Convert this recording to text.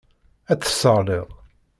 Ad tt-tesseɣliḍ.